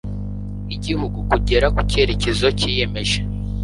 igihugu kugera ku cyerekezo cyiyemeje